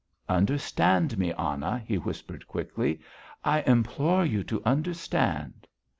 "Understand me, Anna," he whispered quickly. "I implore you to understand...."